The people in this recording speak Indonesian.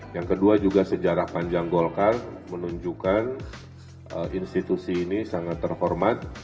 yang kedua juga sejarah panjang golkar menunjukkan institusi ini sangat terhormat